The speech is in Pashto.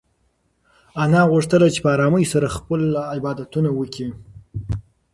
انا غوښتل چې په ارامۍ سره خپل عبادتونه وکړي.